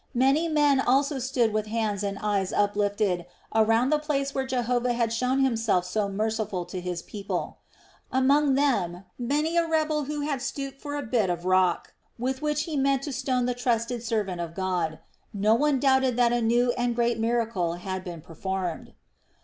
Many men also stood with hands and eyes uplifted around the place where Jehovah had shown Himself so merciful to His people; among them many a rebel who had stooped for the bit of rock with which he meant to stone the trusted servant of God. No one doubted that a new and great miracle had been performed.